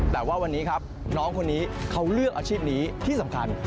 แต่ว่าวันนี้ครับน้องคนนี้เขาเลือกอาชีพนี้ที่สำคัญ